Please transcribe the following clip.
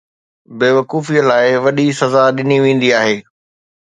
بيوقوفيءَ لاءِ وڏي سزا ڏني ويندي آهي.